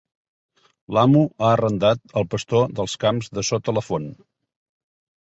L'amo ha arrendat al pastor els camps de sota la font.